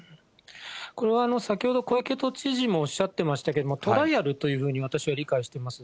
これは先ほど小池都知事もおっしゃってましたけども、トライアルというふうに私は理解しています。